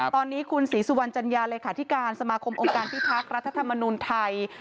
ตอนนี้คุณศรีสุวรรณจัญญาเลขาธิการสมาคมองค์การพิทักษ์รัฐธรรมนุนไทย